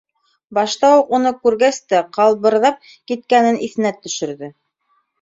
Башта уҡ уны күргәс тә ҡалбырҙап киткәнен иҫенә төшөрҙө.